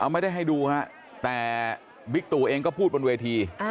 ไม่ได้ให้ดูฮะแต่บิ๊กตู่เองก็พูดบนเวที